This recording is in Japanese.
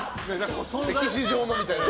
歴史上のみたいなね。